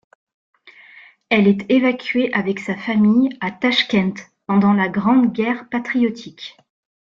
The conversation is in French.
Elle est évacuée avec sa famille à Tachkent pendant la Grande Guerre patriotique.